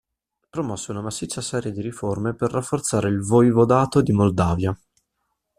Promosse una massiccia serie di riforme per rafforzare il voivodato di Moldavia.